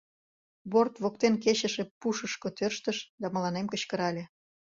Борт воктен кечыше пушышко тӧрштыш да мыланем кычкырале: